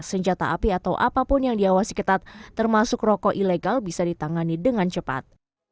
senjata api atau apapun yang diawasi ketat termasuk rokok ilegal bisa ditangani dengan cepat